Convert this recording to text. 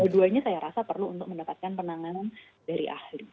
dua duanya saya rasa perlu untuk mendapatkan penanganan dari ahli